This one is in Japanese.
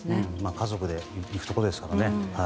家族で行くところですからね。